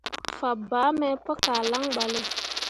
Fabaa me pu kah lan ɓale.